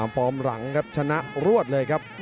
ฟอร์มหลังครับชนะรวดเลยครับ